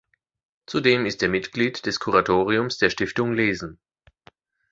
Zudem ist er Mitglied des Kuratoriums der Stiftung Lesen.